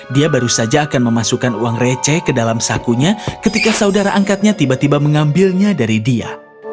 dia baru saja akan memasukkan uang receh ke dalam sakunya ketika saudara angkatnya tiba tiba mengambilnya dari dia